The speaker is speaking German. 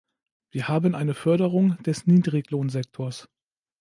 Wir haben eine Förderung des Niedriglohnsektors.